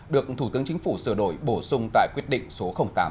được thủ tướng chính phủ sửa đổi bổ sung tại quyết định số tám